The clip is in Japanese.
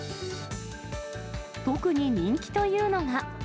特に人気というのが。